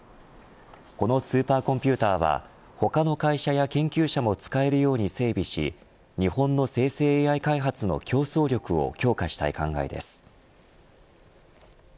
このスーパーコンピューターは他の会社や研究者も使えるように整備し日本の生成ＡＩ開発の競争力を強化したい考えです。